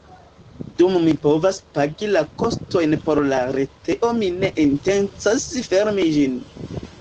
Dum mi povas pagi la kostojn por la retejo mi ne intencas fermi ĝin.